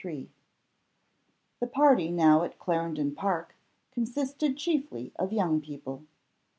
The party now at Clarendon Park consisted chiefly of young people.